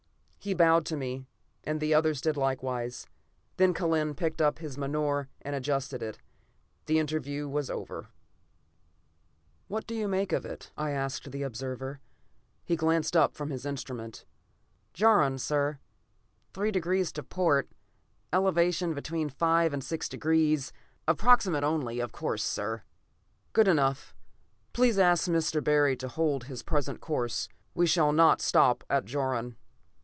He bowed to me, and the others did likewise. Then Kellen picked up his menore and adjusted it. The interview was over. "What do you make it?" I asked the observer. He glanced up from his instrument. "Jaron, sir. Three degrees to port; elevation between five and six degrees. Approximate only, of course, sir." "Good enough. Please ask Mr. Barry to hold to his present course. We shall not stop at Jaron."